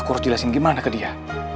harus jelasin gimana ke dia